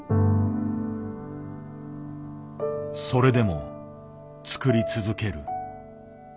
それでも作り続ける。